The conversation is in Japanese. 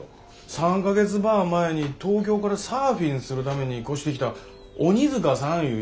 ３か月ば前に東京からサーフィンするために越してきた鬼塚さんいう人がやりゆうがですけど。